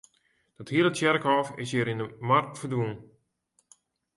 Dat hele tsjerkhôf is hjir yn de mar ferdwûn.